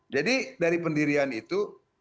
jadi dari pendirian itu